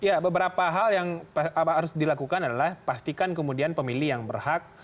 ya beberapa hal yang harus dilakukan adalah pastikan kemudian pemilih yang berhak